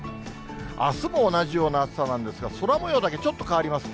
あすも同じような暑さなんですが、空もようだけちょっと変わります。